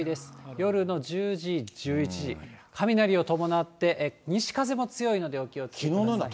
夜の１０時、１１時、雷を伴って、西風も強いので、お気をつけください。